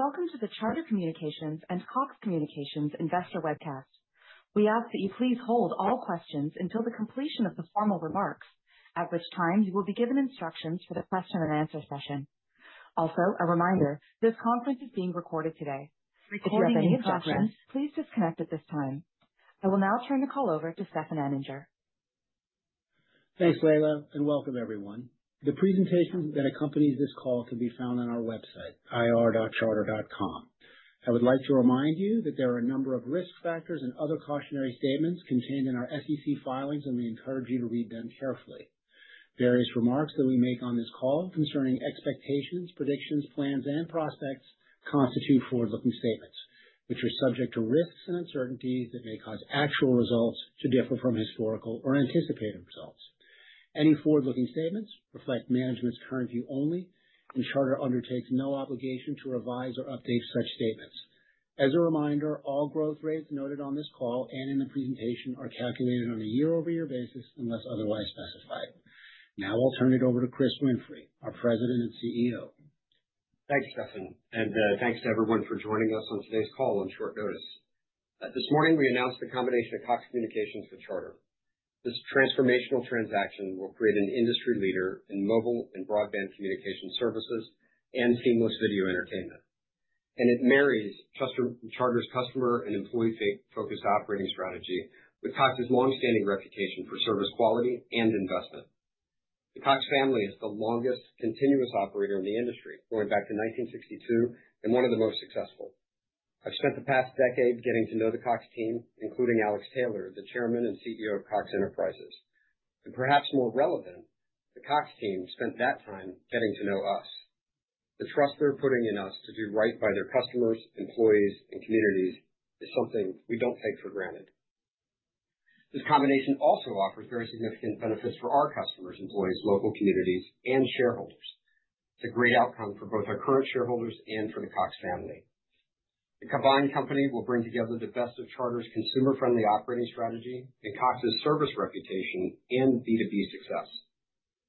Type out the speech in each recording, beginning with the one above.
Hello, and welcome to the Charter Communications and Cox Communications Investor Webcast. We ask that you please hold all questions until the completion of the formal remarks, at which time you will be given instructions for the question-and-answer session. Also, a reminder, this conference is being recorded today. If you have any questions, please disconnect at this time. I will now turn the call over to Stefan Anninger. Thanks, Leila, and welcome, everyone. The presentation that accompanies this call can be found on our website, ir.charter.com. I would like to remind you that there are a number of risk factors and other cautionary statements contained in our SEC filings, and we encourage you to read them carefully. Various remarks that we make on this call concerning expectations, predictions, plans, and prospects constitute forward-looking statements, which are subject to risks and uncertainties that may cause actual results to differ from historical or anticipated results. Any forward-looking statements reflect management's current view only, and Charter undertakes no obligation to revise or update such statements. As a reminder, all growth rates noted on this call and in the presentation are calculated on a year-over-year basis unless otherwise specified. Now I'll turn it over to Chris Winfrey, our President and CEO. Thanks, Stefan, and thanks to everyone for joining us on today's call on short notice. This morning, we announced the combination of Cox Communications and Charter. This transformational transaction will create an industry leader in mobile and broadband communication services and seamless video entertainment. It marries Charter's customer and employee-focused operating strategy with Cox's long-standing reputation for service quality and investment. The Cox family is the longest continuous operator in the industry, going back to 1962, and one of the most successful. I've spent the past decade getting to know the Cox team, including Alex Taylor, the Chairman and CEO of Cox Enterprises. Perhaps more relevant, the Cox team spent that time getting to know us. The trust they're putting in us to do right by their customers, employees, and communities is something we don't take for granted. This combination also offers very significant benefits for our customers, employees, local communities, and shareholders. It's a great outcome for both our current shareholders and for the Cox family. The combined company will bring together the best of Charter's consumer-friendly operating strategy and Cox's service reputation and B2B success.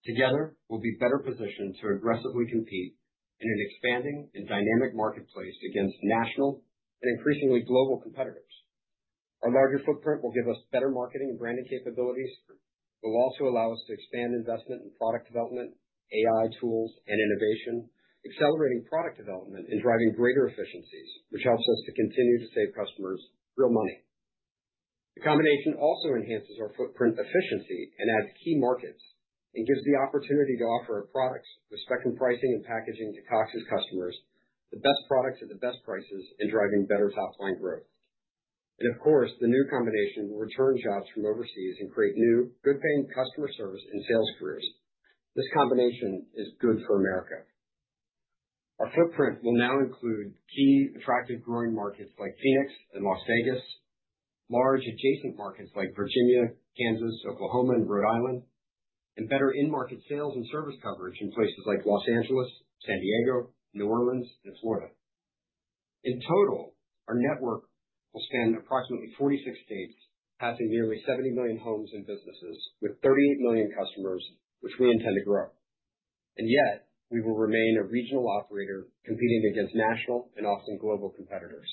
Together, we'll be better positioned to aggressively compete in an expanding and dynamic marketplace against national and increasingly global competitors. Our larger footprint will give us better marketing and branding capabilities. It will also allow us to expand investment in product development, AI tools, and innovation, accelerating product development and driving greater efficiencies, which helps us to continue to save customers real money. The combination also enhances our footprint efficiency and adds key markets and gives the opportunity to offer our products with Spectrum pricing and packaging to Cox's customers the best products at the best prices and driving better top-line growth. Of course, the new combination will return jobs from overseas and create new, good-paying customer service and sales careers. This combination is good for America. Our footprint will now include key, attractive, growing markets like Phoenix and Las Vegas, large adjacent markets like Virginia, Kansas, Oklahoma, and Rhode Island, and better in-market sales and service coverage in places like Los Angeles, San Diego, New Orleans, and Florida. In total, our network will span approximately 46 states, passing nearly 70 million homes and businesses with 38 million customers, which we intend to grow. Yet, we will remain a regional operator competing against national and often global competitors.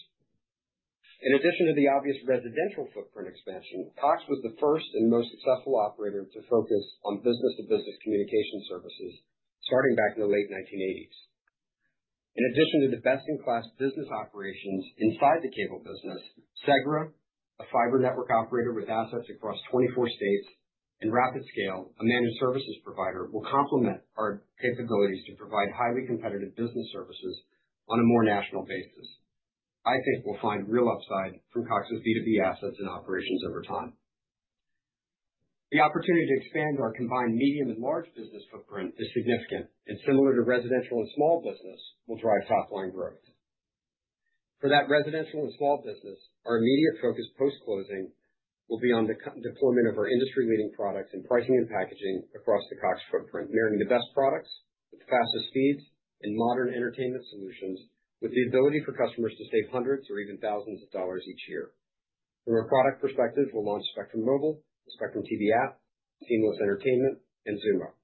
In addition to the obvious residential footprint expansion, Cox was the first and most successful operator to focus on business-to-business communication services starting back in the late 1980s. In addition to the best-in-class business operations inside the cable business, Segra, a fiber network operator with assets across 24 states, and RapidScale, a managed services provider, will complement our capabilities to provide highly competitive business services on a more national basis. I think we'll find real upside from Cox's B2B assets and operations over time. The opportunity to expand our combined medium and large business footprint is significant and, similar to residential and small business, will drive top-line growth. For that residential and small business, our immediate focus post-closing will be on the deployment of our industry-leading products in pricing and packaging across the Cox footprint, marrying the best products with the fastest speeds and modern entertainment solutions with the ability for customers to save hundreds or even thousands of dollars each year. From a product perspective, we'll launch Spectrum Mobile, the Spectrum TV app, Seamless Entertainment, and Zumo.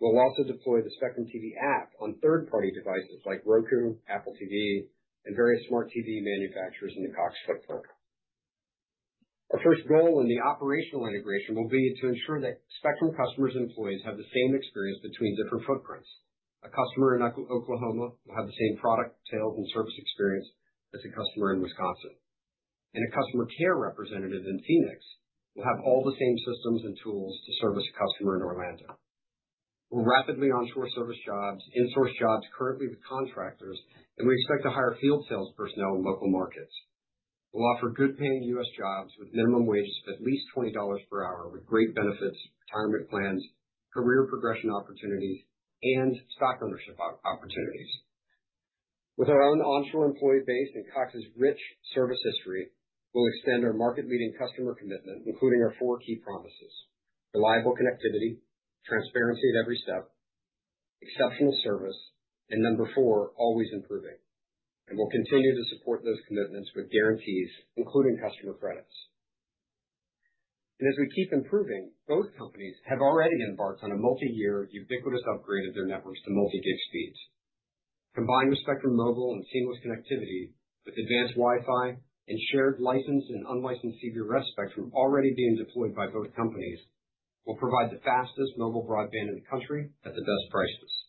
We'll also deploy the Spectrum TV app on third-party devices like Roku, Apple TV, and various smart TV manufacturers in the Cox footprint. Our first goal in the operational integration will be to ensure that Spectrum customers and employees have the same experience between different footprints. A customer in Oklahoma will have the same product sales and service experience as a customer in Wisconsin. A customer care representative in Phoenix will have all the same systems and tools to service a customer in Orlando. We'll rapidly onshore service jobs, insource jobs currently with contractors, and we expect to hire field sales personnel in local markets. We'll offer good-paying U.S. jobs with minimum wages of at least $20 per hour, with great benefits, retirement plans, career progression opportunities, and stock ownership opportunities. With our own onshore employee base and Cox's rich service history, we'll extend our market-leading customer commitment, including our four key promises: reliable connectivity, transparency at every step, exceptional service, and number four, always improving. We'll continue to support those commitments with guarantees, including customer credits. As we keep improving, both companies have already embarked on a multi-year ubiquitous upgrade of their networks to multi-gig speeds. Combined with Spectrum Mobile and Seamless Connectivity, with advanced Wi-Fi and shared licensed and unlicensed CBRS spectrum already being deployed by both companies, we'll provide the fastest mobile broadband in the country at the best prices.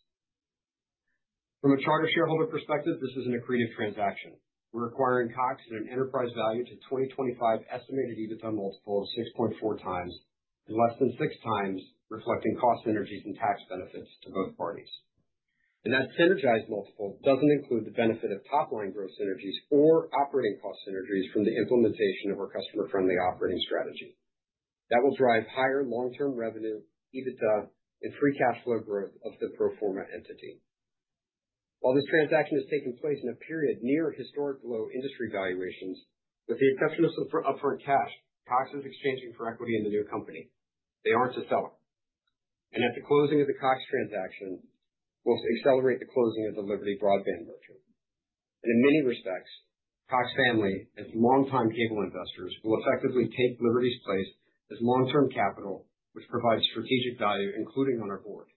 From a Charter shareholder perspective, this is an accretive transaction. We're acquiring Cox at an enterprise value to 2025 estimated EBITDA multiple of 6.4x and less than 6x, reflecting cost synergies and tax benefits to both parties. That synergized multiple doesn't include the benefit of top-line growth synergies or operating cost synergies from the implementation of our customer-friendly operating strategy. That will drive higher long-term revenue, EBITDA, and free cash flow growth of the pro-forma entity. While this transaction has taken place in a period near historic low industry valuations, with the exception of some upfront cash, Cox is exchanging for equity in the new company. They aren't a seller. At the closing of the Cox transaction, we'll accelerate the closing of the Liberty Broadband merger. In many respects, Cox family, as long-time cable investors, will effectively take Liberty's place as long-term capital, which provides strategic value, including on our board.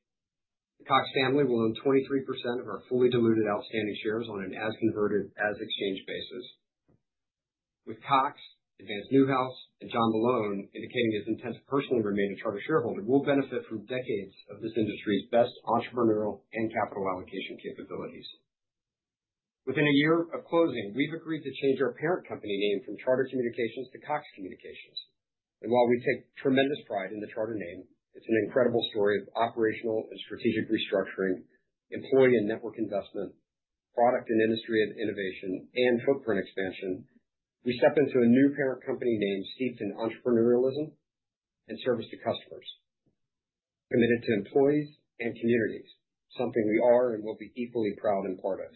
The Cox family will own 23% of our fully diluted outstanding shares on an as-converted, as-exchanged basis. With Cox, Advanced Newhouse, and John Malone, indicating his intent to personally remain a Charter shareholder, we'll benefit from decades of this industry's best entrepreneurial and capital allocation capabilities. Within a year of closing, we've agreed to change our parent company name from Charter Communications to Cox Communications. While we take tremendous pride in the Charter name, it's an incredible story of operational and strategic restructuring, employee and network investment, product and industry innovation, and footprint expansion. We step into a new parent company name steeped in entrepreneurialism and service to customers, committed to employees and communities, something we are and will be equally proud and part of.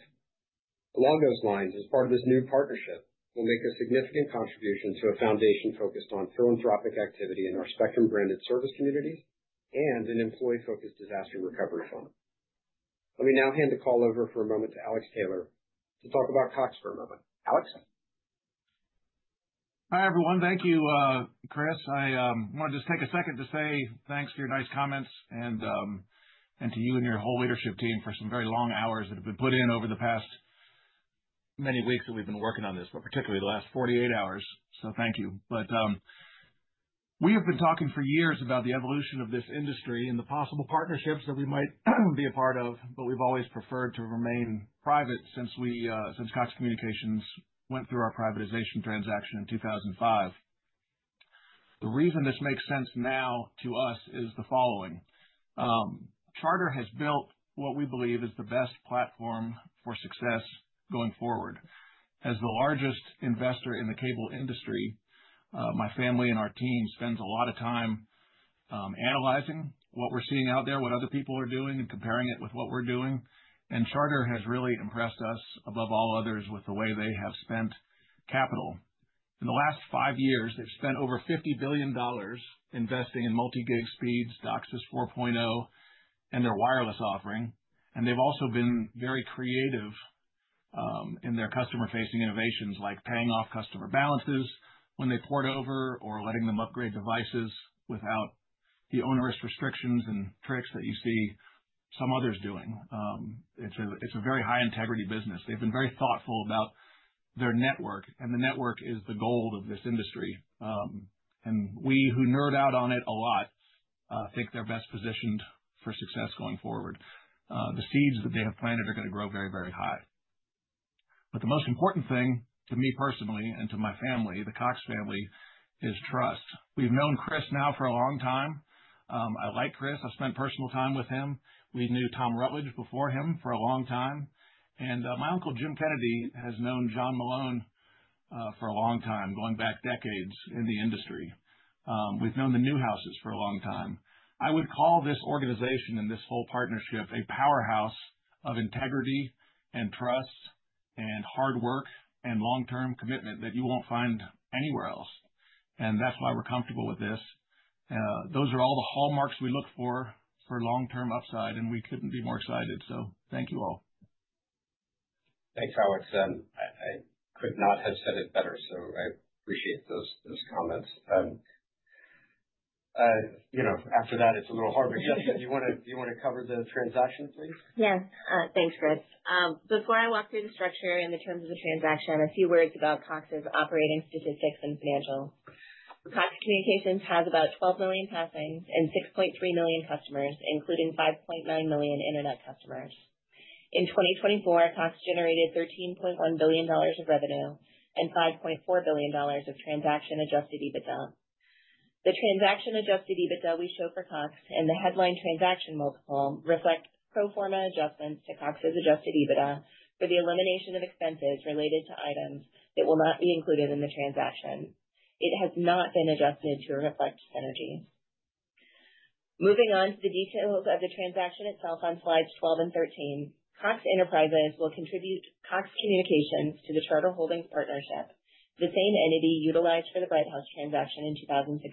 Along those lines, as part of this new partnership, we will make a significant contribution to a foundation focused on philanthropic activity in our Spectrum branded service communities and an employee-focused disaster recovery fund. Let me now hand the call over for a moment to Alex Taylor to talk about Cox for a moment. Alex? Hi, everyone. Thank you, Chris. I want to just take a second to say thanks for your nice comments and to you and your whole leadership team for some very long hours that have been put in over the past many weeks that we've been working on this, particularly the last 48 hours. Thank you. We have been talking for years about the evolution of this industry and the possible partnerships that we might be a part of, but we've always preferred to remain private since Cox Communications went through our privatization transaction in 2005. The reason this makes sense now to us is the following. Charter has built what we believe is the best platform for success going forward. As the largest investor in the cable industry, my family and our team spend a lot of time analyzing what we're seeing out there, what other people are doing, and comparing it with what we're doing. Charter has really impressed us above all others with the way they have spent capital. In the last five years, they've spent over $50 billion investing in multi-gig speeds, DOCSIS 4.0, and their wireless offering. They've also been very creative in their customer-facing innovations, like paying off customer balances when they port over or letting them upgrade devices without the onerous restrictions and tricks that you see some others doing. It's a very high-integrity business. They've been very thoughtful about their network, and the network is the gold of this industry. We who nerd out on it a lot think they're best positioned for success going forward. The seeds that they have planted are going to grow very, very high. The most important thing to me personally and to my family, the Cox family, is trust. We've known Chris now for a long time. I like Chris. I've spent personal time with him. We knew Tom Rutledge before him for a long time. My uncle Jim Kennedy has known John Malone for a long time, going back decades in the industry. We've known the Newhouses for a long time. I would call this organization and this whole partnership a powerhouse of integrity and trust and hard work and long-term commitment that you won't find anywhere else. That's why we're comfortable with this. Those are all the hallmarks we look for for long-term upside, and we couldn't be more excited. Thank you all. Thanks, Alex. I could not have said it better, so I appreciate those comments. After that, it's a little hard. Jessica, do you want to cover the transaction, please? Yes. Thanks, Chris. Before I walk through the structure and the terms of the transaction, a few words about Cox's operating statistics and financials. Cox Communications has about 12 million passings and 6.3 million customers, including 5.9 million internet customers. In 2024, Cox generated $13.1 billion of revenue and $5.4 billion of transaction-Adjusted EBITDA. The transaction-Adjusted EBITDA we show for Cox and the headline transaction multiple reflect pro forma adjustments to Cox's adjusted EBITDA for the elimination of expenses related to items that will not be included in the transaction. It has not been adjusted to reflect synergies. Moving on to the details of the transaction itself on slides 12 and 13, Cox Enterprises will contribute Cox Communications to the Charter Holdings Partnership, the same entity utilized for the White House transaction in 2016.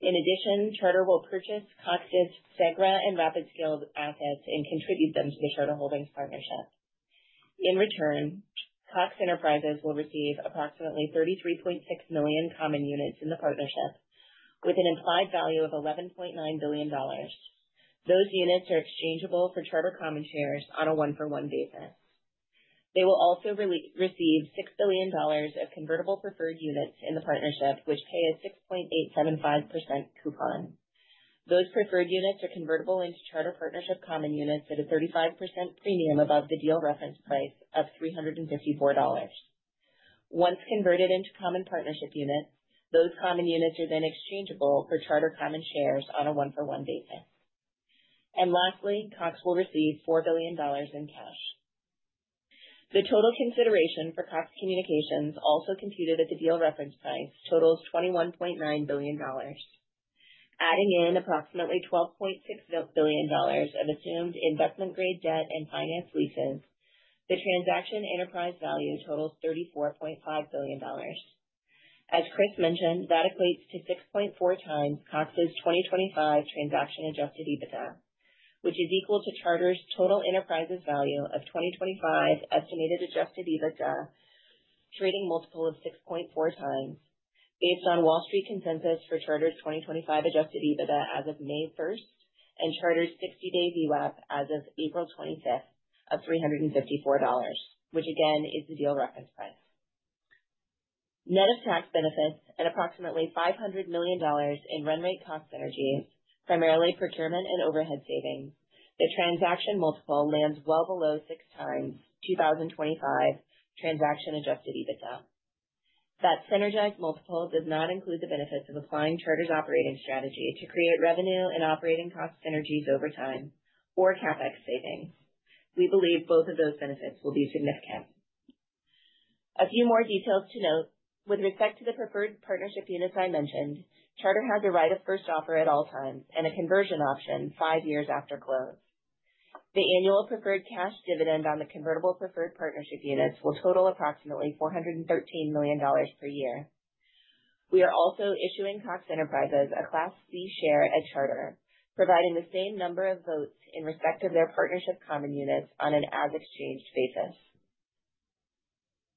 In addition, Charter will purchase Cox's Segra and RapidScale assets and contribute them to the Charter Holdings Partnership. In return, Cox Enterprises will receive approximately 33.6 million common units in the partnership, with an implied value of $11.9 billion. Those units are exchangeable for Charter common shares on a one-for-one basis. They will also receive $6 billion of convertible preferred units in the partnership, which pay a 6.875% coupon. Those preferred units are convertible into Charter Partnership common units at a 35% premium above the deal reference price of $354. Once converted into common partnership units, those common units are then exchangeable for Charter common shares on a one-for-one basis. Lastly, Cox will receive $4 billion in cash. The total consideration for Cox Communications, also computed at the deal reference price, totals $21.9 billion. Adding in approximately $12.6 billion of assumed investment-grade debt and finance leases, the transaction enterprise value totals $34.5 billion. As Chris mentioned, that equates to 6.4x Cox's 2025 transaction-Adjusted EBITDA, which is equal to Charter's total enterprise value of 2025 estimated adjusted EBITDA, trading multiple of 6.4 times, based on Wall Street consensus for Charter's 2025 Adjusted EBITDA as of May 1st and Charter's 60-day VWAP as of April 25th of $354, which again is the deal reference price. Net of tax benefits, at approximately $500 million in run rate cost synergies, primarily procurement and overhead savings, the transaction multiple lands well below 6x 2025 transaction-adjusted EBITDA. That synergized multiple does not include the benefits of applying Charter's operating strategy to create revenue and operating cost synergies over time or CapEx savings. We believe both of those benefits will be significant. A few more details to note. With respect to the preferred partnership units I mentioned, Charter has a right of first offer at all times and a conversion option five years after close. The annual preferred cash dividend on the convertible preferred partnership units will total approximately $413 million per year. We are also issuing Cox Enterprises a Class C share at Charter, providing the same number of votes in respect of their partnership common units on an as-exchanged basis.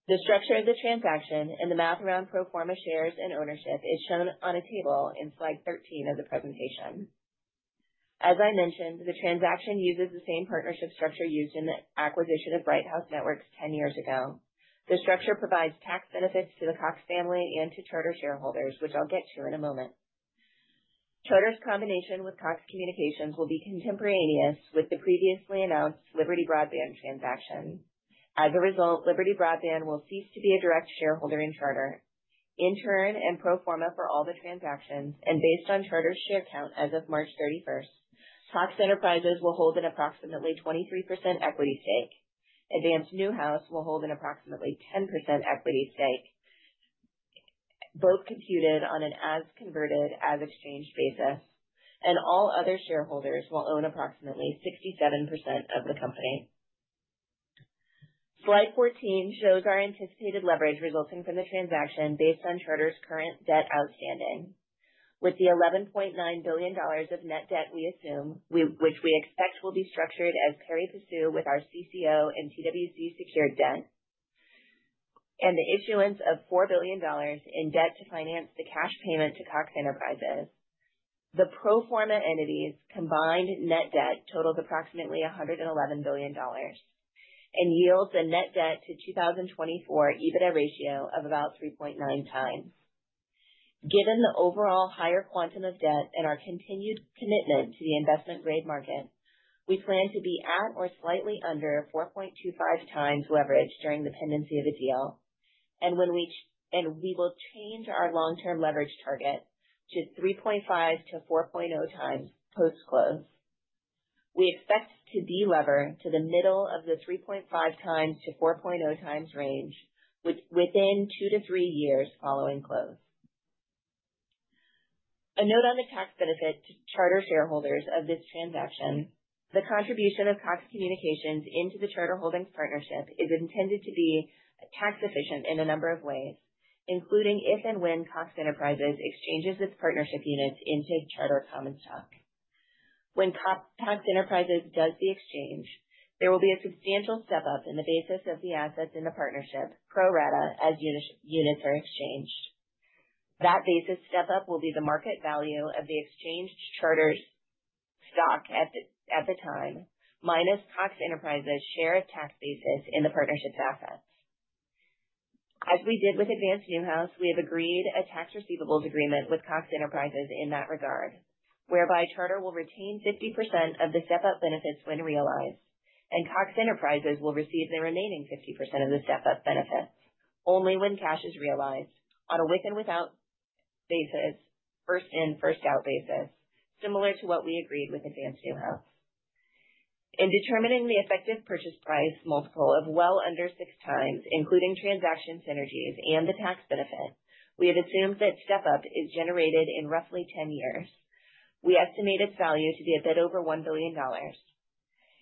The structure of the transaction and the math around pro forma shares and ownership is shown on a table in slide 13 of the presentation. As I mentioned, the transaction uses the same partnership structure used in the acquisition of Bright House Networks 10 years ago. The structure provides tax benefits to the Cox family and to Charter shareholders, which I'll get to in a moment. Charter's combination with Cox Communications will be contemporaneous with the previously announced Liberty Broadband transaction. As a result, Liberty Broadband will cease to be a direct shareholder in Charter. In turn and pro forma for all the transactions, and based on Charter's share count as of March 31, Cox Enterprises will hold an approximately 23% equity stake. Advanced Newhouse will hold an approximately 10% equity stake, both computed on an as-converted, as-exchanged basis. All other shareholders will own approximately 67% of the company. Slide 14 shows our anticipated leverage resulting from the transaction based on Charter's current debt outstanding. With the $11.9 billion of net debt we assume, which we expect will be structured as peripursuit with our CCO and TWC secured debt, and the issuance of $4 billion in debt to finance the cash payment to Cox Enterprises, the pro forma entity's combined net debt totals approximately $111 billion and yields a net debt to 2024 EBITDA ratio of about 3.9x. Given the overall higher quantum of debt and our continued commitment to the investment-grade market, we plan to be at or slightly under 4.25x leverage during the pendency of a deal. We will change our long-term leverage target to 3.5-4.0x post-close. We expect to de-lever to the middle of the 3.5-4.0x range, within two to three years following close. A note on the tax benefit to Charter shareholders of this transaction. The contribution of Cox Communications into the Charter Holdings Partnership is intended to be tax-efficient in a number of ways, including if and when Cox Enterprises exchanges its partnership units into Charter Common Stock. When Cox Enterprises does the exchange, there will be a substantial step-up in the basis of the assets in the partnership, pro rata as units are exchanged. That basis step-up will be the market value of the exchanged Charter's stock at the time, minus Cox Enterprises' share of tax basis in the partnership's assets. As we did with Advanced Newhouse, we have agreed a tax receivables agreement with Cox Enterprises in that regard, whereby Charter will retain 50% of the step-up benefits when realized, and Cox Enterprises will receive the remaining 50% of the step-up benefits only when cash is realized on a with-and-without basis, first-in-first-out basis, similar to what we agreed with Advanced Newhouse. In determining the effective purchase price multiple of well under 6x, including transaction synergies and the tax benefit, we have assumed that step-up is generated in roughly 10 years. We estimate its value to be a bit over $1 billion.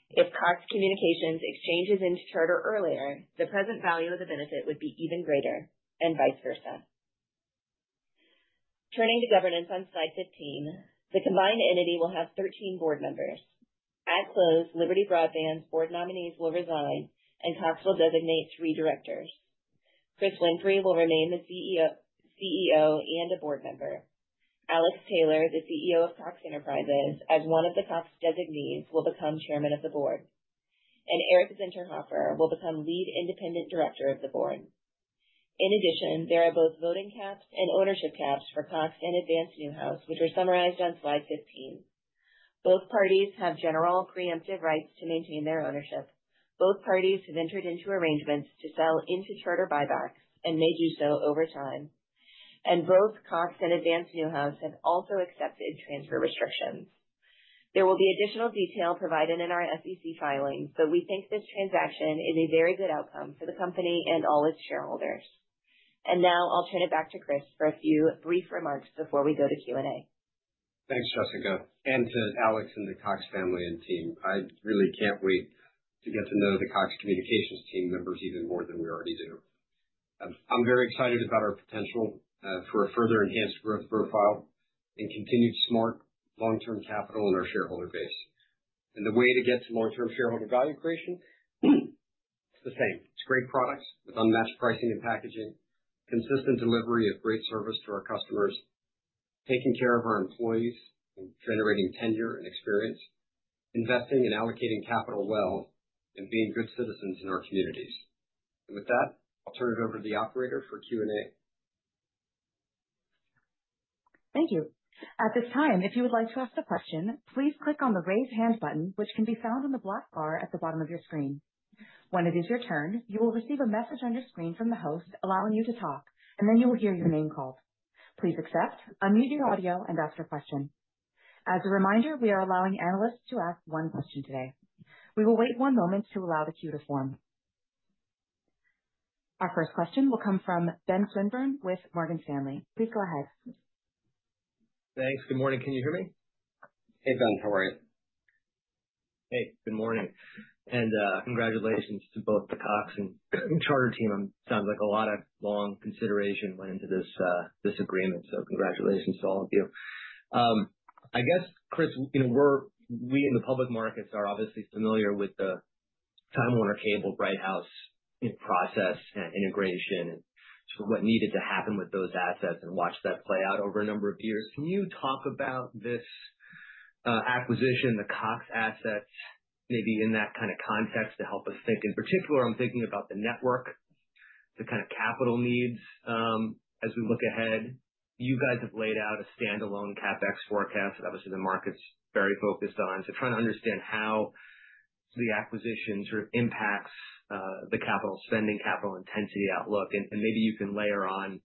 If Cox Communications exchanges into Charter earlier, the present value of the benefit would be even greater and vice versa. Turning to governance on slide 15, the combined entity will have 13 board members. At close, Liberty Broadband's board nominees will resign, and Cox will designate three directors. Chris Winfrey will remain the CEO and a board member. Alex Taylor, the CEO of Cox Enterprises, as one of the Cox designees, will become Chairman of the Board. Eric Zinterhofer will become Lead Independent Director of the Board. In addition, there are both voting caps and ownership caps for Cox and Advanced Newhouse, which were summarized on slide 15. Both parties have general preemptive rights to maintain their ownership. Both parties have entered into arrangements to sell into Charter buybacks and may do so over time. Both Cox and Advanced Newhouse have also accepted transfer restrictions. There will be additional detail provided in our SEC filings, but we think this transaction is a very good outcome for the company and all its shareholders. Now I'll turn it back to Chris for a few brief remarks before we go to Q&A. Thanks, Jessica. To Alex and the Cox family and team, I really can't wait to get to know the Cox Communications team members even more than we already do. I'm very excited about our potential for a further enhanced growth profile and continued smart long-term capital in our shareholder base. The way to get to long-term shareholder value creation, it's the same. It's great products with unmatched pricing and packaging, consistent delivery of great service to our customers, taking care of our employees and generating tenure and experience, investing and allocating capital well, and being good citizens in our communities. With that, I'll turn it over to the operator for Q&A. Thank you. At this time, if you would like to ask a question, please click on the raise hand button, which can be found on the black bar at the bottom of your screen. When it is your turn, you will receive a message on your screen from the host allowing you to talk, and then you will hear your name called. Please accept, unmute your audio, and ask your question. As a reminder, we are allowing analysts to ask one question today. We will wait one moment to allow the queue to form. Our first question will come from Ben Swinburne with Morgan Stanley. Please go ahead. Thanks. Good morning. Can you hear me? Hey, Ben. How are you? Hey. Good morning. And congratulations to both the Cox and Charter team. It sounds like a lot of long consideration went into this agreement, so congratulations to all of you. I guess, Chris, we in the public markets are obviously familiar with the Time Warner Cable, Bright House process and integration and sort of what needed to happen with those assets and watched that play out over a number of years. Can you talk about this acquisition, the Cox assets, maybe in that kind of context to help us think? In particular, I'm thinking about the network, the kind of capital needs as we look ahead. You guys have laid out a standalone CapEx forecast that obviously the market's very focused on. So trying to understand how the acquisition sort of impacts the capital spending, capital intensity outlook. Maybe you can layer on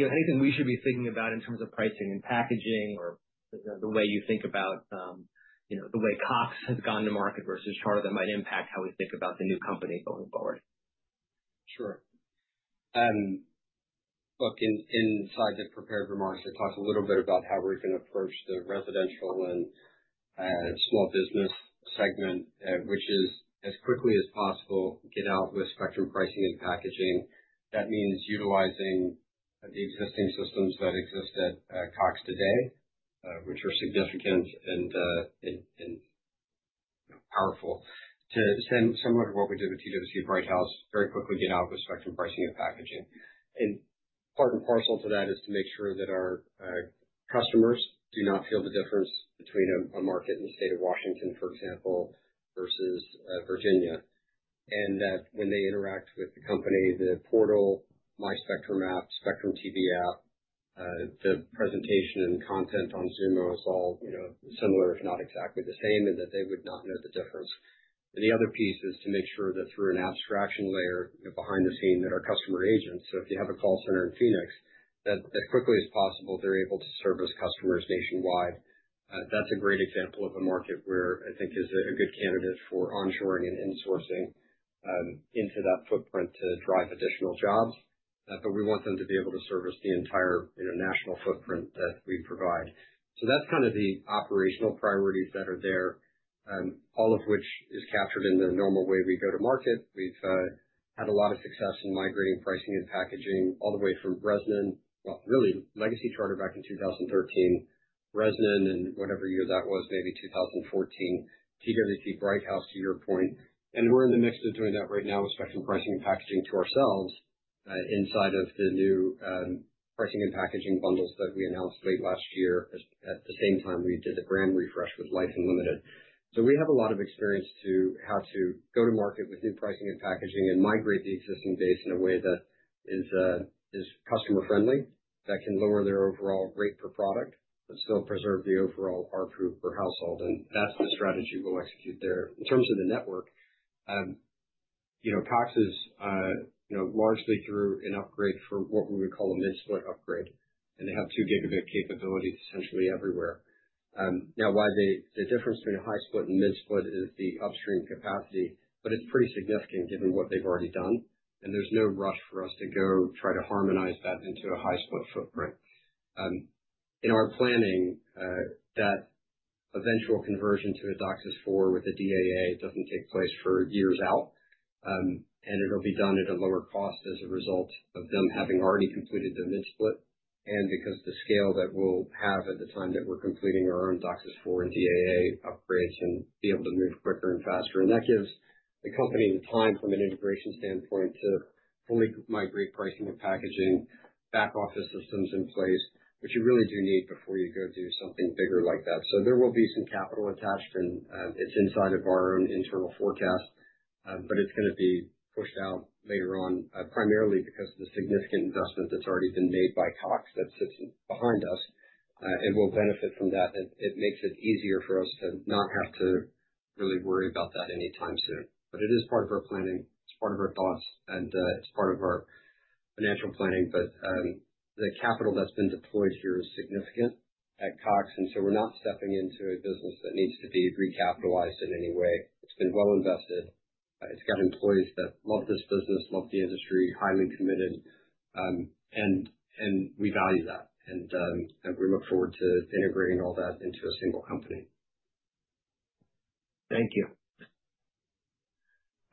anything we should be thinking about in terms of pricing and packaging or the way you think about the way Cox has gone to market versus Charter that might impact how we think about the new company going forward. Sure. Look, inside the prepared remarks, I talked a little bit about how we're going to approach the residential and small business segment, which is as quickly as possible get out with Spectrum pricing and packaging. That means utilizing the existing systems that exist at Cox today, which are significant and powerful, similar to what we did with TWC Bright House, very quickly get out with Spectrum pricing and packaging. Part and parcel to that is to make sure that our customers do not feel the difference between a market in the state of Washington, for example, versus Virginia, and that when they interact with the company, the portal, My Spectrum app, Spectrum TV app, the presentation and content on Zoom is all similar, if not exactly the same, and that they would not know the difference. The other piece is to make sure that through an abstraction layer behind the scene that our customer agents, so if you have a call center in Phoenix, that as quickly as possible, they're able to service customers nationwide. That is a great example of a market where I think is a good candidate for onshoring and insourcing into that footprint to drive additional jobs. We want them to be able to service the entire national footprint that we provide. That is kind of the operational priorities that are there, all of which is captured in the normal way we go to market. We've had a lot of success in migrating pricing and packaging all the way from Bresnan, well, really legacy Charter back in 2013, Bresnan and whatever year that was, maybe 2014, TWC Bright House to your point. We're in the midst of doing that right now with Spectrum pricing and packaging to ourselves inside of the new pricing and packaging bundles that we announced late last year at the same time we did the brand refresh with Life Unlimited. We have a lot of experience to how to go to market with new pricing and packaging and migrate the existing base in a way that is customer-friendly, that can lower their overall rate per product, but still preserve the overall RPU per household. That's the strategy we'll execute there. In terms of the network, Cox is largely through an upgrade for what we would call a mid-split upgrade, and they have 2 Gb capability essentially everywhere. The difference between a high split and mid-split is the upstream capacity, but it's pretty significant given what they've already done. There is no rush for us to go try to harmonize that into a high-split footprint. In our planning, that eventual conversion to a DOCSIS 4.0 with a DAA does not take place for years out, and it will be done at a lower cost as a result of them having already completed the mid-split and because of the scale that we will have at the time that we are completing our own DOCSIS 4.0 and DAA upgrades and be able to move quicker and faster. That gives the company the time from an integration standpoint to fully migrate pricing and packaging, back office systems in place, which you really do need before you go do something bigger like that. There will be some capital attached, and it's inside of our own internal forecast, but it's going to be pushed out later on primarily because of the significant investment that's already been made by Cox that sits behind us and will benefit from that. It makes it easier for us to not have to really worry about that anytime soon. It is part of our planning. It's part of our thoughts, and it's part of our financial planning. The capital that's been deployed here is significant at Cox, and we are not stepping into a business that needs to be recapitalized in any way. It's been well invested. It's got employees that love this business, love the industry, highly committed, and we value that. We look forward to integrating all that into a single company. Thank you.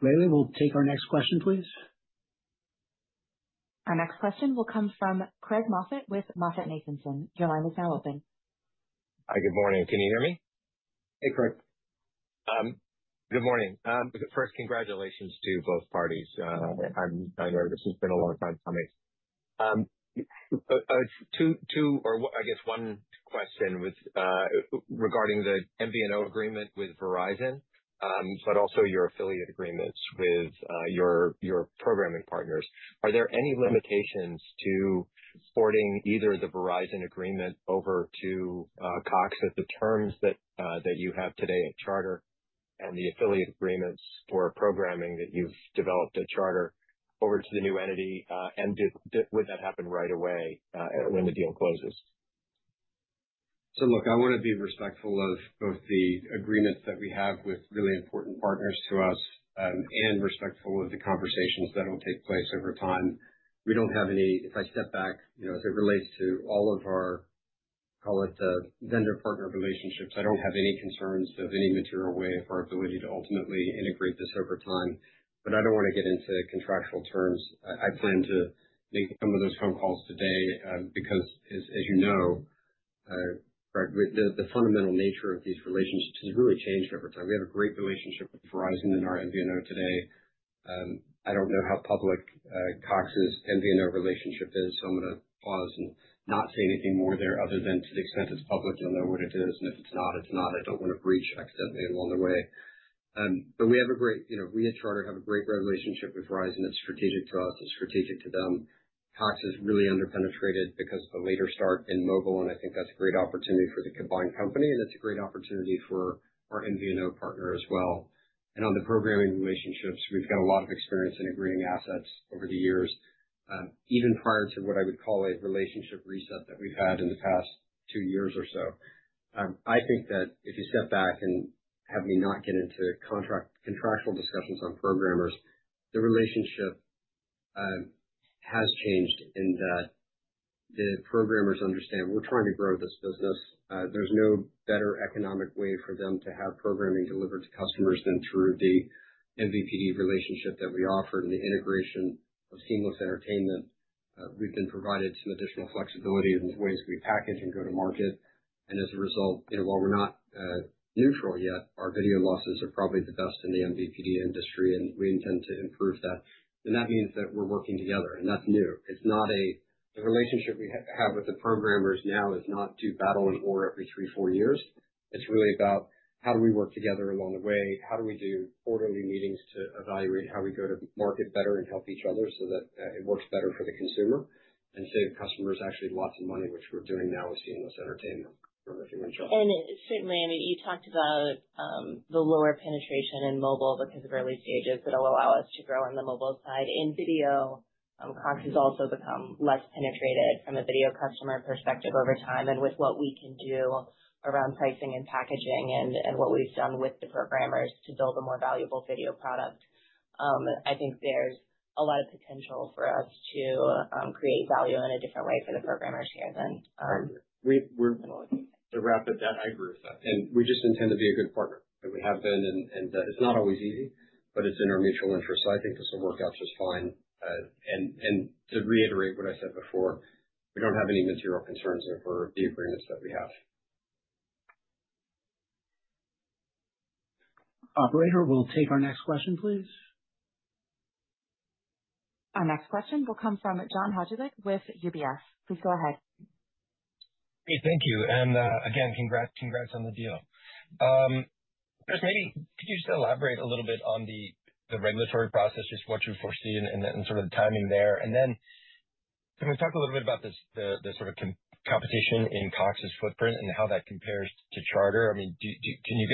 Leila, will take our next question, please? Our next question will come from Craig Moffett with MoffettNathanson. Your line is now open. Hi, good morning. Can you hear me? Hey, Craig. Good morning. First, congratulations to both parties. I know this has been a long time coming. Two or, I guess, one question regarding the MVNO agreement with Verizon, but also your affiliate agreements with your programming partners. Are there any limitations to forwarding either the Verizon agreement over to Cox at the terms that you have today at Charter and the affiliate agreements for programming that you've developed at Charter over to the new entity? Would that happen right away when the deal closes? Look, I want to be respectful of both the agreements that we have with really important partners to us and respectful of the conversations that will take place over time. We do not have any—if I step back, as it relates to all of our, call it the vendor-partner relationships, I do not have any concerns of any material way of our ability to ultimately integrate this over time. I do not want to get into contractual terms. I plan to make some of those phone calls today because, as you know, the fundamental nature of these relationships has really changed over time. We have a great relationship with Verizon and our MVNO today. I do not know how public Cox's MVNO relationship is, so I am going to pause and not say anything more there other than to the extent it is public, you will know what it is. If it is not, it is not. I do not want to breach accidentally along the way. We at Charter have a great relationship with Verizon. It is strategic to us. It is strategic to them. Cox is really underpenetrated because of the later start in mobile, and I think that is a great opportunity for the combined company, and it is a great opportunity for our MVNO partner as well. On the programming relationships, we have a lot of experience in agreeing assets over the years, even prior to what I would call a relationship reset that we have had in the past two years or so. I think that if you step back and have me not get into contractual discussions on programmers, the relationship has changed in that the programmers understand we are trying to grow this business. There's no better economic way for them to have programming delivered to customers than through the MVPD relationship that we offered and the integration of seamless entertainment. We've been provided some additional flexibility in the ways we package and go to market. As a result, while we're not neutral yet, our video losses are probably the best in the MVPD industry, and we intend to improve that. That means that we're working together, and that's new. The relationship we have with the programmers now is not to battle an oar every three, four years. It's really about how do we work together along the way? How do we do quarterly meetings to evaluate how we go to market better and help each other so that it works better for the consumer and save customers actually lots of money, which we're doing now with seamless entertainment. I don't know if you want to jump in. Certainly, I mean, you talked about the lower penetration in mobile because of early stages that will allow us to grow on the mobile side. In video, Cox has also become less penetrated from a video customer perspective over time, and with what we can do around pricing and packaging and what we've done with the programmers to build a more valuable video product, I think there's a lot of potential for us to create value in a different way for the programmers here than. [Inaudible audio] [Iaudible audio] To wrap it, I agree with that. We just intend to be a good partner. We have been, and it's not always easy, but it's in our mutual interest. I think this will work out just fine. To reiterate what I said before, we don't have any material concerns over the agreements that we have. Operator, will you take our next question, please? Our next question will come from John Hodgwick with UBS. Please go ahead. Hey, thank you. And again, congrats on the deal. Chris, maybe could you just elaborate a little bit on the regulatory process, just what you foresee and sort of the timing there? And then can we talk a little bit about the sort of competition in Cox's footprint and how that compares to Charter? I mean, do you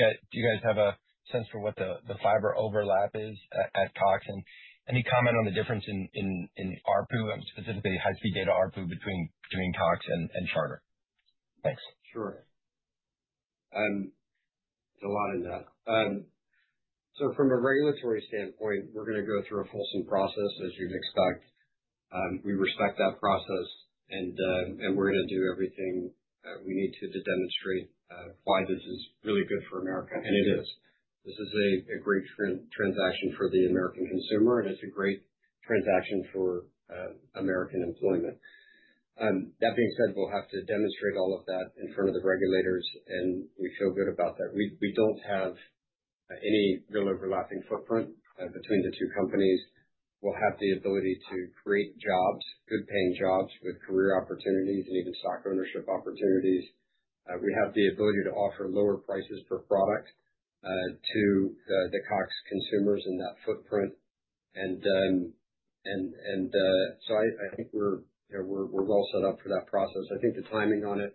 guys have a sense for what the fiber overlap is at Cox? And any comment on the difference in RPU, specifically high-speed data RPU between Cox and Charter? Thanks. Sure. There's a lot in that. From a regulatory standpoint, we're going to go through a Folsom process, as you'd expect. We respect that process, and we're going to do everything we need to to demonstrate why this is really good for America. It is. This is a great transaction for the American consumer, and it's a great transaction for American employment. That being said, we'll have to demonstrate all of that in front of the regulators, and we feel good about that. We don't have any real overlapping footprint between the two companies. We'll have the ability to create jobs, good-paying jobs with career opportunities and even stock ownership opportunities. We have the ability to offer lower prices per product to the Cox consumers in that footprint. I think we're well set up for that process. I think the timing on it,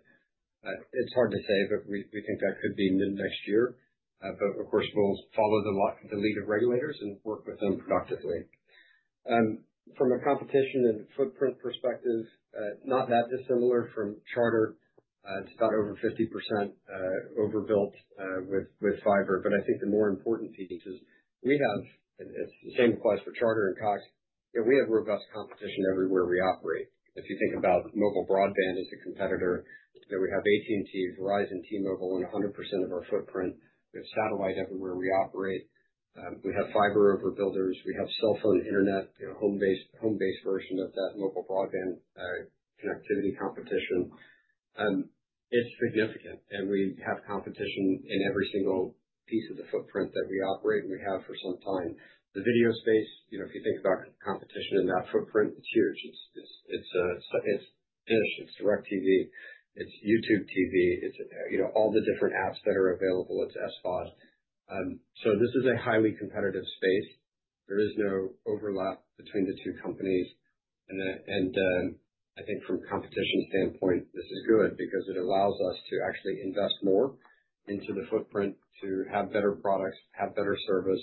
it's hard to say, but we think that could be mid-next year. Of course, we'll follow the lead of regulators and work with them productively. From a competition and footprint perspective, not that dissimilar from Charter. It's about over 50% overbuilt with fiber. I think the more important piece is we have—and it's the same applies for Charter and Cox—we have robust competition everywhere we operate. If you think about mobile broadband as a competitor, we have AT&T, Verizon, T-Mobile in 100% of our footprint. We have satellite everywhere we operate. We have fiber overbuilders. We have cell phone internet, home-based version of that mobile broadband connectivity competition. It's significant, and we have competition in every single piece of the footprint that we operate and we have for some time. The video space, if you think about competition in that footprint, it's huge. It's InShift, it's DirecTV, it's YouTube TV, it's all the different apps that are available. It's SVOD. This is a highly competitive space. There is no overlap between the two companies. I think from a competition standpoint, this is good because it allows us to actually invest more into the footprint, to have better products, have better service,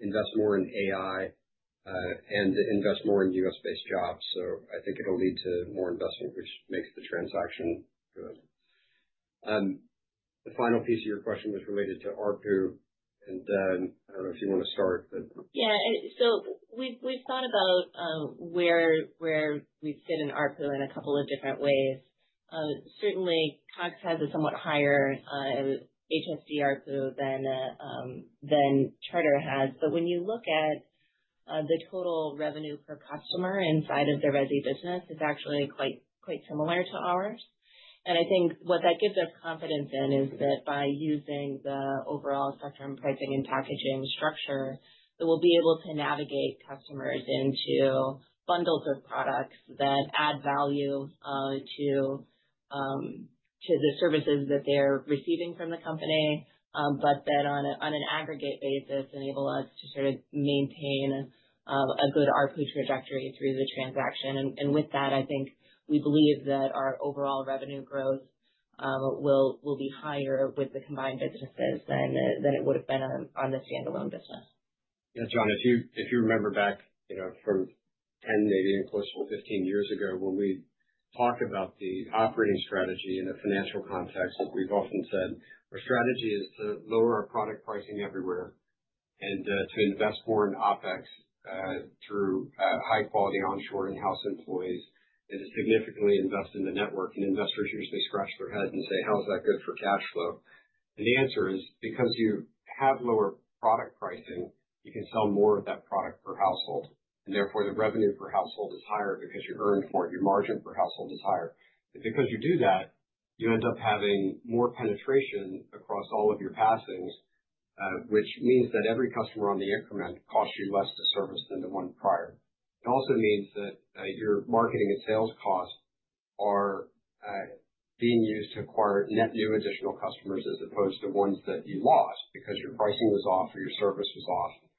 invest more in AI, and invest more in US-based jobs. I think it'll lead to more investment, which makes the transaction good. The final piece of your question was related to RPU, and I don't know if you want to start, but. Yeah. So we've thought about where we fit in RPU in a couple of different ways. Certainly, Cox has a somewhat higher HSD RPU than Charter has. When you look at the total revenue per customer inside of the Resi business, it's actually quite similar to ours. I think what that gives us confidence in is that by using the overall Spectrum pricing and packaging structure, we'll be able to navigate customers into bundles of products that add value to the services that they're receiving from the company, but then on an aggregate basis, enable us to sort of maintain a good RPU trajectory through the transaction. With that, I think we believe that our overall revenue growth will be higher with the combined businesses than it would have been on the standalone business. Yeah, John, if you remember back from 10, maybe even closer to 15 years ago, when we talked about the operating strategy in a financial context, we've often said our strategy is to lower our product pricing everywhere and to invest more in OpEx through high-quality onshore in-house employees and to significantly invest in the network. Investors usually scratch their heads and say, "How is that good for cash flow?" The answer is because you have lower product pricing, you can sell more of that product per household. Therefore, the revenue per household is higher because you earn for it. Your margin per household is higher. Because you do that, you end up having more penetration across all of your passings, which means that every customer on the increment costs you less to service than the one prior. It also means that your marketing and sales costs are being used to acquire net new additional customers as opposed to ones that you lost because your pricing was off or your service was off.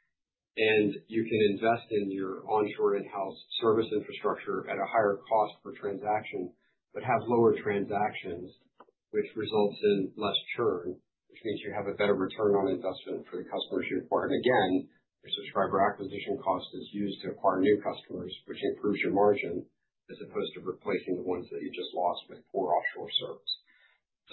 You can invest in your onshore in-house service infrastructure at a higher cost per transaction but have lower transactions, which results in less churn, which means you have a better return on investment for the customers you acquire. Again, your subscriber acquisition cost is used to acquire new customers, which improves your margin as opposed to replacing the ones that you just lost with poor offshore service.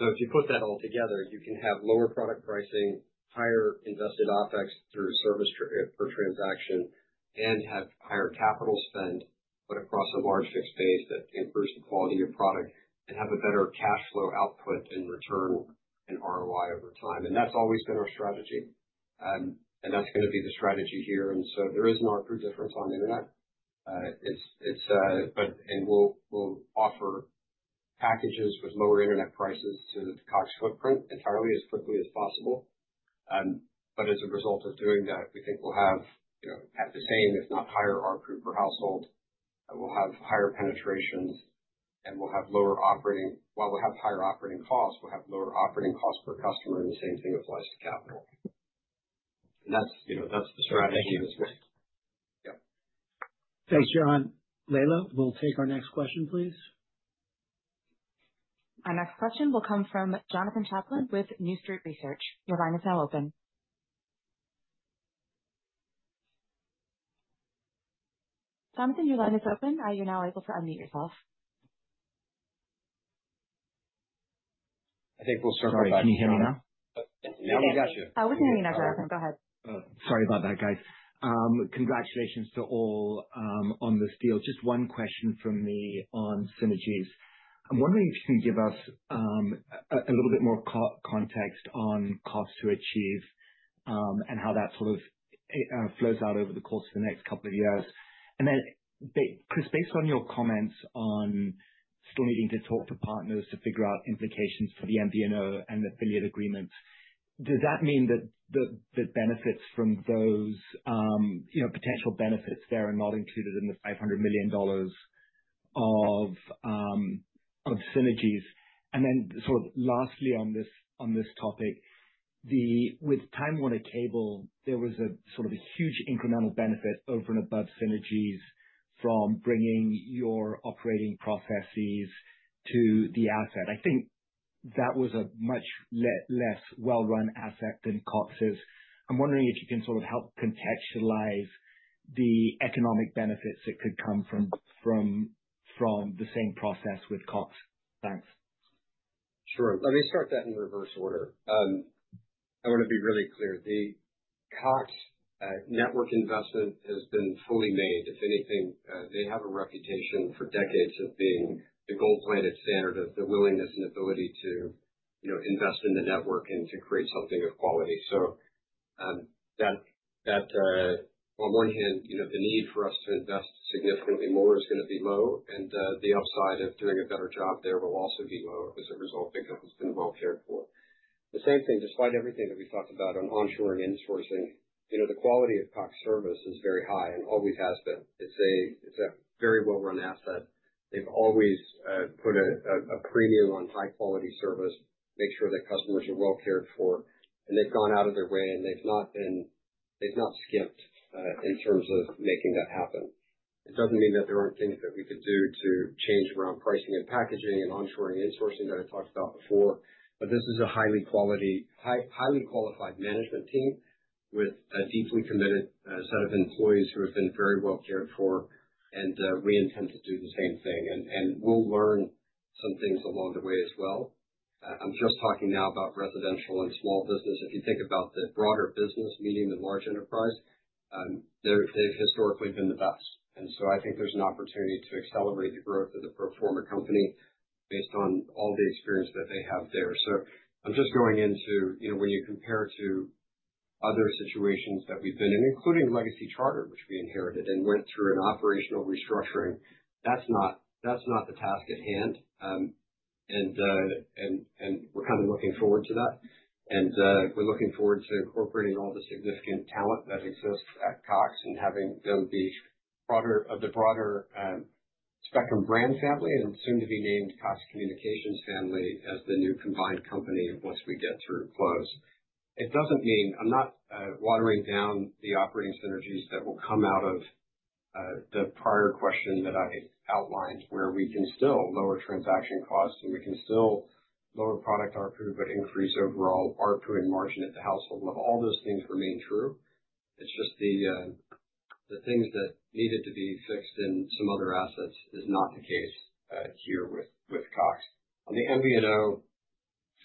If you put that all together, you can have lower product pricing, higher invested OpEx through service per transaction, and have higher capital spend, but across a large fixed base that improves the quality of product and have a better cash flow output and return and ROI over time. That has always been our strategy, and that is going to be the strategy here. There is an RPU difference on the internet. We will offer packages with lower internet prices to the Cox footprint entirely as quickly as possible. As a result of doing that, we think we will have the same, if not higher, RPU per household. We will have higher penetrations, and we will have lower operating costs per customer, and the same thing applies to capital. That is the strategy at this point. Thank you. Thanks, John. Leila, we'll take our next question, please. Our next question will come from Jonathan Chaplin with New Street Research. Your line is now open. Jonathan, your line is open. You're now able to unmute yourself. I think we'll start by— Sorry, can you hear me now? Now we got you. Oh, we can hear you now, Jonathan. Go ahead. Sorry about that, guys. Congratulations to all on this deal. Just one question from me on synergies. I'm wondering if you can give us a little bit more context on cost to achieve and how that sort of flows out over the course of the next couple of years. Chris, based on your comments on still needing to talk to partners to figure out implications for the MVNO and the affiliate agreements, does that mean that the benefits from those potential benefits there are not included in the $500 million of synergies? Lastly on this topic, with Time Warner Cable, there was a huge incremental benefit over and above synergies from bringing your operating processes to the asset. I think that was a much less well-run asset than Cox's. I'm wondering if you can sort of help contextualize the economic benefits that could come from the same process with Cox. Thanks. Sure. Let me start that in reverse order. I want to be really clear. The Cox network investment has been fully made. If anything, they have a reputation for decades of being the gold-plated standard of the willingness and ability to invest in the network and to create something of quality. On one hand, the need for us to invest significantly more is going to be low, and the upside of doing a better job there will also be lower as a result because it's been well cared for. The same thing, despite everything that we've talked about on onshoring and insourcing, the quality of Cox service is very high and always has been. It's a very well-run asset. They've always put a premium on high-quality service, make sure that customers are well cared for, and they've gone out of their way, and they've not skimped in terms of making that happen. It doesn't mean that there aren't things that we could do to change around pricing and packaging and onshoring and insourcing that I talked about before, but this is a highly qualified management team with a deeply committed set of employees who have been very well cared for, and we intend to do the same thing. We'll learn some things along the way as well. I'm just talking now about residential and small business. If you think about the broader business, medium and large enterprise, they've historically been the best. I think there's an opportunity to accelerate the growth of the pro forma company based on all the experience that they have there. I'm just going into when you compare to other situations that we've been in, including legacy Charter, which we inherited and went through an operational restructuring, that's not the task at hand. We're kind of looking forward to that. We're looking forward to incorporating all the significant talent that exists at Cox and having them be of the broader Spectrum brand family and soon to be named Cox Communications family as the new combined company once we get through close. It doesn't mean I'm not watering down the operating synergies that will come out of the prior question that I outlined, where we can still lower transaction costs and we can still lower product RPU but increase overall RPU and margin at the household level. All those things remain true. It's just the things that needed to be fixed in some other assets is not the case here with Cox. On the MVNO,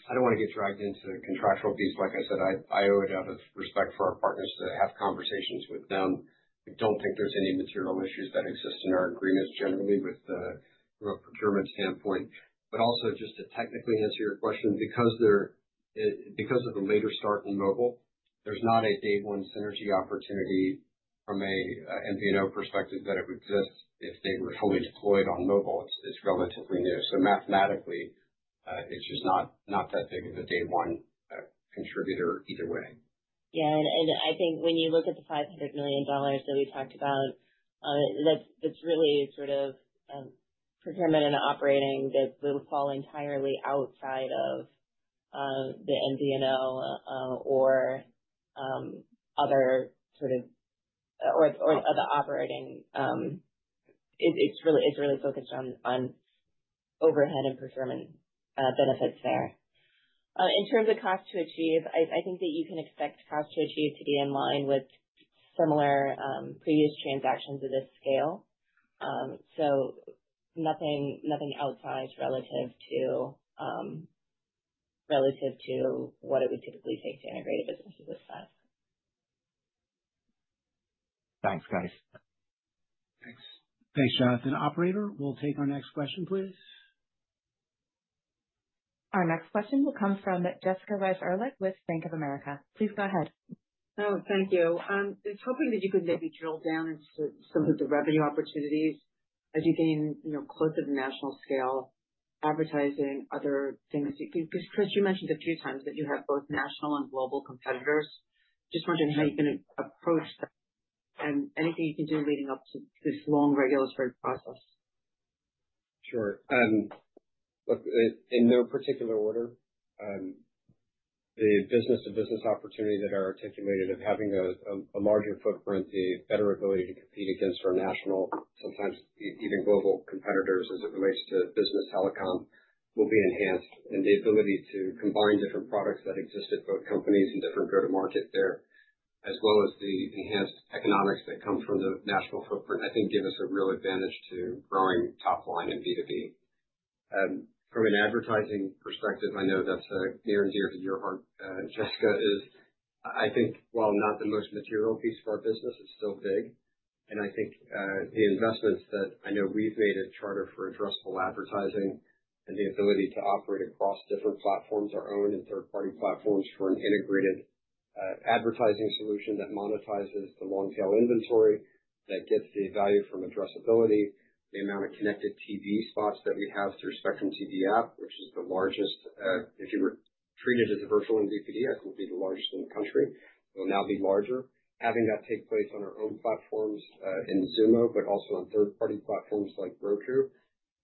I don't want to get dragged into contractual beasts. Like I said, I owe it out of respect for our partners to have conversations with them. I don't think there's any material issues that exist in our agreements generally from a procurement standpoint. Also, just to technically answer your question, because of the later start in mobile, there's not a day-one synergy opportunity from an MVNO perspective that would exist if they were fully deployed on mobile. It's relatively new. Mathematically, it's just not that big of a day-one contributor either way. Yeah. I think when you look at the $500 million that we talked about, that's really sort of procurement and operating that will fall entirely outside of the MVNO or other sort of or the operating. It's really focused on overhead and procurement benefits there. In terms of cost to achieve, I think that you can expect cost to achieve to be in line with similar previous transactions of this scale. Nothing outsized relative to what it would typically take to integrate a business with that. Thanks, guys. Thanks. Thanks, Jonathan. Operator, we'll take our next question, please. Our next question will come from Jessica Reif Ehrlich with Bank of America. Please go ahead. Thank you. I was hoping that you could maybe drill down into some of the revenue opportunities as you gain closer to national scale, advertising, other things. Because Chris, you mentioned a few times that you have both national and global competitors. Just wondering how you're going to approach that and anything you can do leading up to this long regulatory process. Sure. In no particular order, the business-to-business opportunity that I articulated of having a larger footprint, the better ability to compete against our national, sometimes even global competitors as it relates to business telecom will be enhanced. The ability to combine different products that exist at both companies and different go-to-market there, as well as the enhanced economics that come from the national footprint, I think give us a real advantage to growing top line and B2B. From an advertising perspective, I know that's near and dear to your heart, Jessica, is I think, while not the most material piece of our business, it's still big. I think the investments that I know we've made at Charter for addressable advertising and the ability to operate across different platforms, our own and third-party platforms for an integrated advertising solution that monetizes the long-tail inventory that gets the value from addressability, the amount of connected TV spots that we have through Spectrum TV app, which is the largest, if you were treated as a virtual MVPD, I think it would be the largest in the country. It will now be larger. Having that take place on our own platforms in Zumo, but also on third-party platforms like Roku.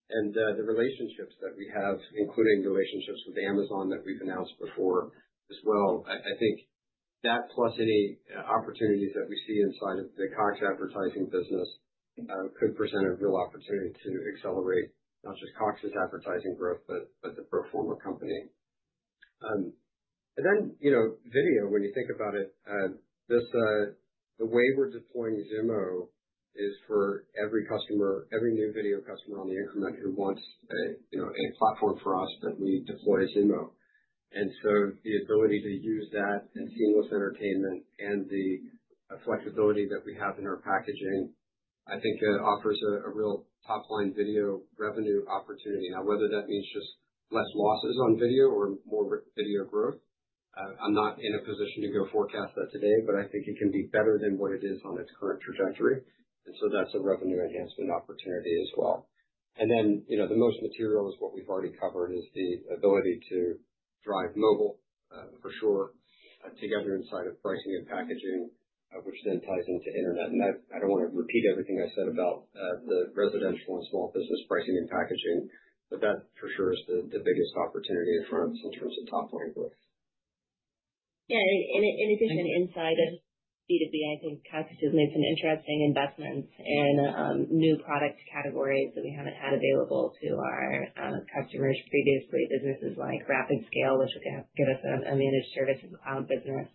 The relationships that we have, including relationships with Amazon that we've announced before as well, I think that plus any opportunities that we see inside of the Cox advertising business could present a real opportunity to accelerate not just Cox's advertising growth, but the pro forma company. Then video, when you think about it, the way we're deploying Zumo is for every customer, every new video customer on the increment who wants a platform for us that we deploy Zumo. The ability to use that and seamless entertainment and the flexibility that we have in our packaging, I think it offers a real top-line video revenue opportunity. Now, whether that means just less losses on video or more video growth, I'm not in a position to go forecast that today, but I think it can be better than what it is on its current trajectory. That is a revenue enhancement opportunity as well. The most material is what we've already covered, which is the ability to drive mobile for sure together inside of pricing and packaging, which then ties into internet. I don't want to repeat everything I said about the residential and small business pricing and packaging, but that for sure is the biggest opportunity in front of us in terms of top-line growth. Yeah. In addition, inside of B2B, I think Cox has made some interesting investments in new product categories that we haven't had available to our customers previously. Businesses like RapidScale, which will give us a managed service and cloud business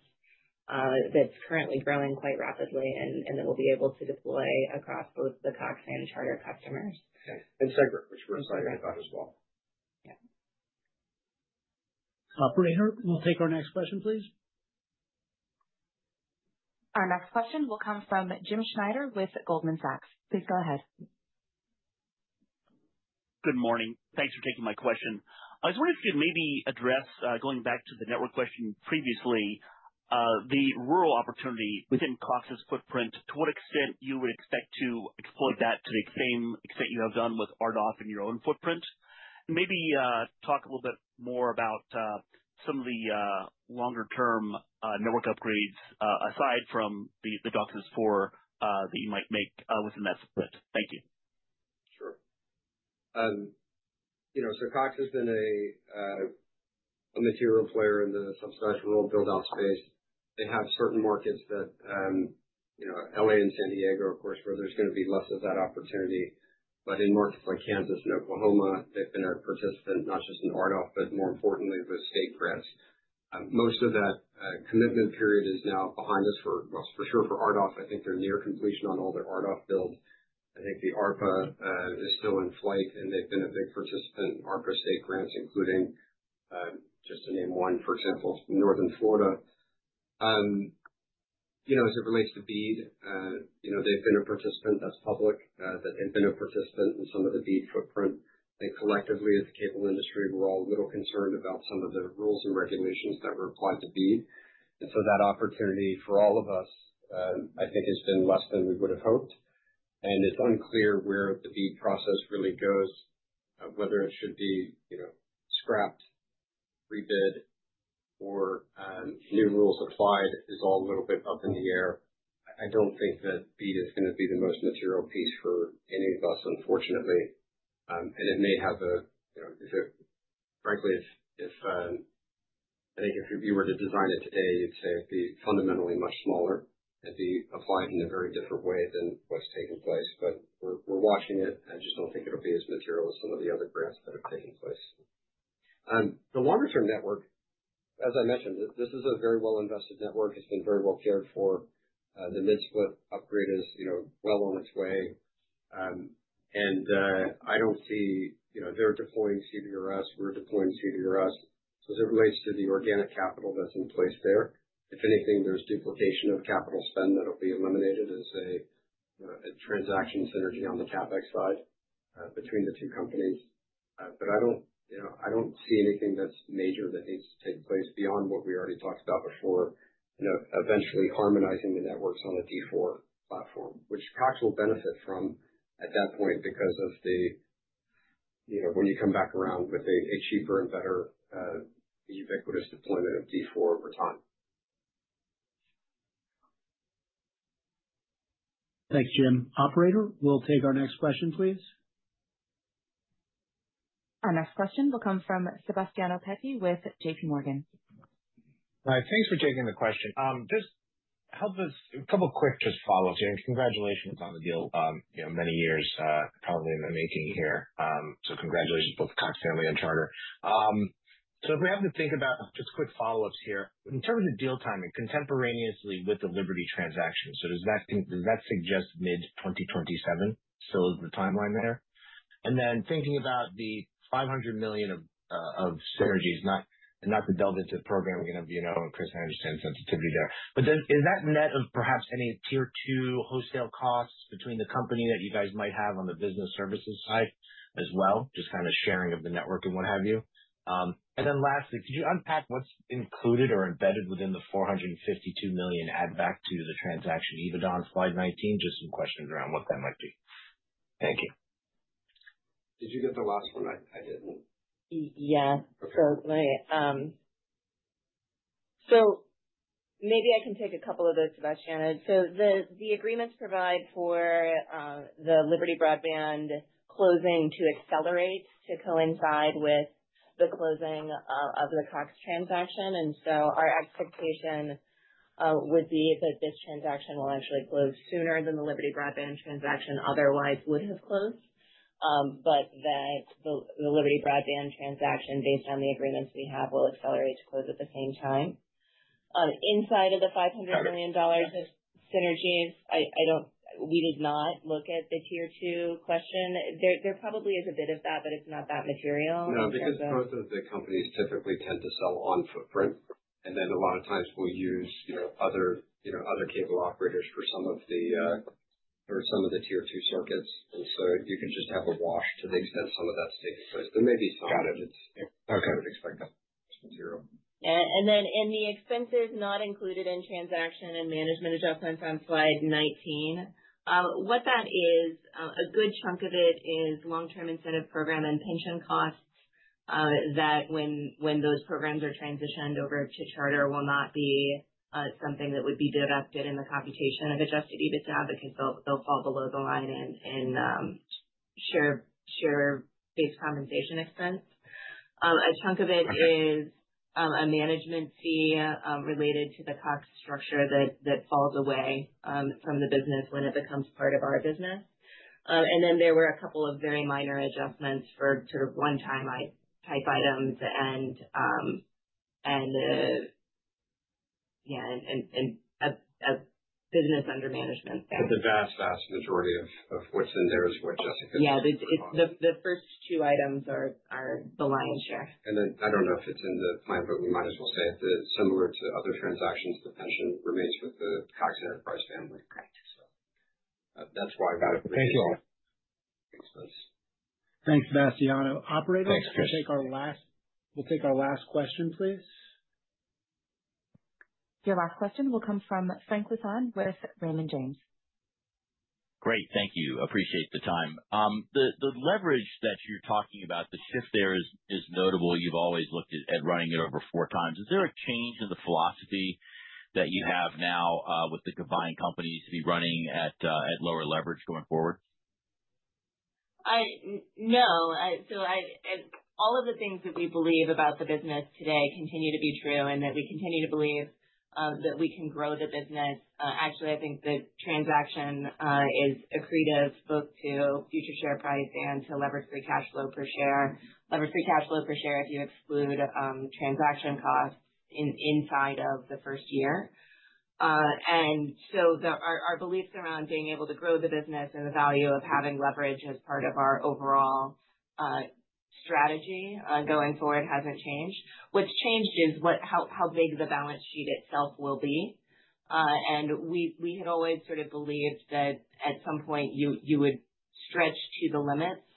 that's currently growing quite rapidly and that we'll be able to deploy across both the Cox and Charter customers. Segra, which we're excited about as well. Operator, we'll take our next question, please. Our next question will come from Jim Schneider with Goldman Sachs. Please go ahead. Good morning. Thanks for taking my question. I just wanted to maybe address, going back to the network question previously, the rural opportunity within Cox's footprint, to what extent you would expect to exploit that to the same extent you have done with RDoF in your own footprint. Maybe talk a little bit more about some of the longer-term network upgrades aside from the DOCSIS 4.0 that you might make within that footprint. Thank you. Sure. Cox has been a material player in the substantial rural build-out space. They have certain markets like Los Angeles and San Diego, of course, where there's going to be less of that opportunity. In markets like Kansas and Oklahoma, they've been a participant, not just in RDoF, but more importantly, with state grants. Most of that commitment period is now behind us for sure for RDoF. I think they're near completion on all their RDoF builds. I think the ARPA is still in flight, and they've been a big participant in ARPA state grants, including just to name one, for example, Northern Florida. As it relates to BEAD, they've been a participant, that's public, that they've been a participant in some of the BEAD footprint. I think collectively, as a cable industry, we're all a little concerned about some of the rules and regulations that were applied to BEAD. That opportunity for all of us, I think, has been less than we would have hoped. It's unclear where the BEAD process really goes, whether it should be scrapped, rebid, or new rules applied is all a little bit up in the air. I don't think that BEAD is going to be the most material piece for any of us, unfortunately. It may have a, frankly, I think if you were to design it today, you'd say it'd be fundamentally much smaller and be applied in a very different way than what's taken place. We're watching it. I just don't think it'll be as material as some of the other grants that have taken place. The longer-term network, as I mentioned, this is a very well-invested network. It's been very well cared for. The mid-split upgrade is well on its way. I don't see they're deploying CBRS. We're deploying CBRS. As it relates to the organic capital that's in place there, if anything, there's duplication of capital spend that'll be eliminated as a transaction synergy on the CapEx side between the two companies. I don't see anything that's major that needs to take place beyond what we already talked about before, eventually harmonizing the networks on a D4 platform, which Cox will benefit from at that point because of when you come back around with a cheaper and better ubiquitous deployment of D4 over time. Thanks, Jim. Operator, we'll take our next question, please. Our next question will come from Sebastiano Petti with JPMorgan. Thanks for taking the question. Just a couple of quick just follow-ups. Congratulations on the deal. Many years probably in the making here. Congratulations to both the Cox family and Charter. If we have to think about just quick follow-ups here, in terms of deal timing contemporaneously with the Liberty transaction, does that suggest mid-2027 still is the timeline there? Thinking about the $500 million of synergies, not to delve into programming and MVNO and Chris, I understand sensitivity there. Is that net of perhaps any tier-two wholesale costs between the company that you guys might have on the business services side as well, just kind of sharing of the network and what have you? Lastly, could you unpack what's included or embedded within the $452 million add-back to the transaction EBITDA on slide 19? Just some questions around what that might be. Thank you. Did you get the last one? I didn't. Yeah. Maybe I can take a couple of those, Sebastiano. The agreements provide for the Liberty Broadband closing to accelerate to coincide with the closing of the Cox transaction. Our expectation would be that this transaction will actually close sooner than the Liberty Broadband transaction otherwise would have closed, but that the Liberty Broadband transaction, based on the agreements we have, will accelerate to close at the same time. Inside of the $500 million of synergies, we did not look at the tier-two question. There probably is a bit of that, but it's not that material. No, because both of the companies typically tend to sell on footprint. A lot of times we'll use other cable operators for some of the or some of the tier-two circuits. You can just have a wash to the extent some of that's taking place. There may be some that you would expect that's material. Yeah. In the expenses not included in transaction and management adjustments on slide 19, what that is, a good chunk of it is long-term incentive program and pension costs that when those programs are transitioned over to Charter will not be something that would be deducted in the computation of adjusted EBITDA because they'll fall below the line in share-based compensation expense. A chunk of it is a management fee related to the Cox structure that falls away from the business when it becomes part of our business. There were a couple of very minor adjustments for sort of one-time type items and, yeah, a business under management. The vast, vast majority of what's in there is what, Jessica? Yeah. The first two items are the lion's share. I don't know if it's in the plan, but we might as well say that similar to other transactions, the pension remains with the Cox Enterprises family. Correct. That's why we're appreciating the expense. Thanks, Sebastiano. Operator, we'll take our last question, please. Your last question will come from Frank Lu with Raymond James. Great. Thank you. Appreciate the time. The leverage that you're talking about, the shift there is notable. You've always looked at running it over four times. Is there a change in the philosophy that you have now with the combined companies to be running at lower leverage going forward? No. All of the things that we believe about the business today continue to be true and we continue to believe that we can grow the business. Actually, I think the transaction is accretive both to future share price and to leverage-free cash flow per share. Leverage-free cash flow per share if you exclude transaction costs inside of the first year. Our beliefs around being able to grow the business and the value of having leverage as part of our overall strategy going forward has not changed. What has changed is how big the balance sheet itself will be. We had always sort of believed that at some point you would stretch to the limits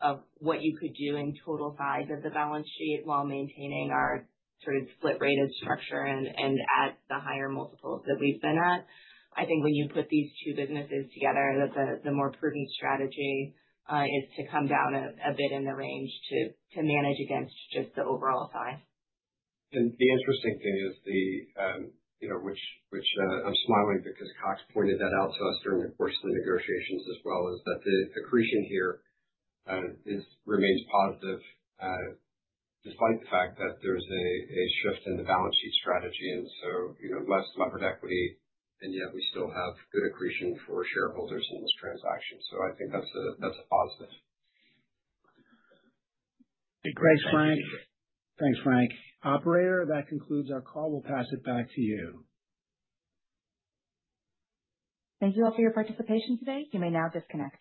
of what you could do in total size of the balance sheet while maintaining our sort of split-rated structure and at the higher multiples that we have been at. I think when you put these two businesses together, the more prudent strategy is to come down a bit in the range to manage against just the overall size. The interesting thing is, which I'm smiling because Cox pointed that out to us during the course of the negotiations as well, the accretion here remains positive despite the fact that there's a shift in the balance sheet strategy. Less levered equity, and yet we still have good accretion for shareholders in this transaction. I think that's a positive. Thanks, Frank. Operator, that concludes our call. We'll pass it back to you. Thank you all for your participation today. You may now disconnect.